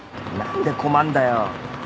何で困んだよ。